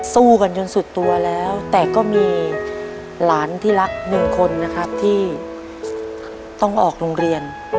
สู้กันจนสุดตัวแล้วแต่ก็มีหลานที่รักหนึ่งคนนะครับที่ต้องออกโรงเรียน